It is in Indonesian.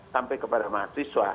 sampai kepada mahasiswa